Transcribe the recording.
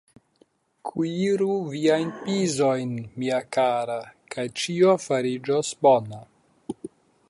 Kuiru viajn pizojn, mia kara, kaj ĉio fariĝos bona!